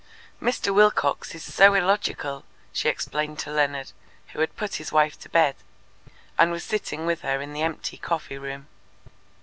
"Mr. Wilcox is so illogical," she explained to Leonard, who had put his wife to bed, and was sitting with her in the empty coffee room.